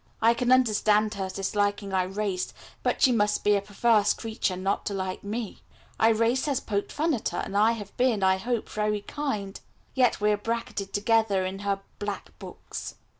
I can understand her disliking Irais, but she must be a perverse creature not to like me. Irais has poked fun at her, and I have been, I hope, very kind; yet we are bracketed together in her black books.